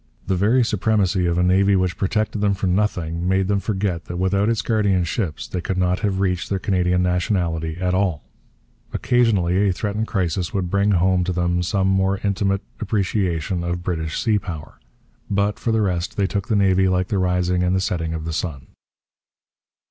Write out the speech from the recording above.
The very supremacy of a navy which protected them for nothing made them forget that without its guardian ships they could not have reached their Canadian nationality at all. Occasionally a threatened crisis would bring home to them some more intimate appreciation of British sea power. But, for the rest, they took the Navy like the rising and the setting of the sun.